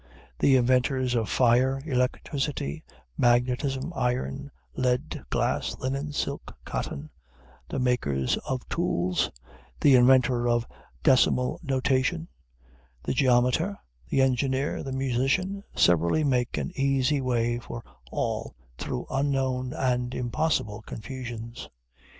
The inventors of fire, electricity, magnetism, iron, lead, glass, linen, silk, cotton; the makers of tools; the inventor of decimal notation; the geometer; the engineer; the musician, severally make an easy way for all through unknown and impossible confusions.